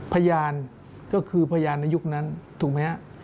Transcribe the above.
พยานก็คือพยานในยุคนั้นถูกไหมฮะ